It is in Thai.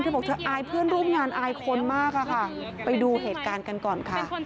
บอกเธออายเพื่อนร่วมงานอายคนมากอะค่ะไปดูเหตุการณ์กันก่อนค่ะ